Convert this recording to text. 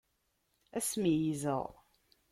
Ad s-meyyzeɣ.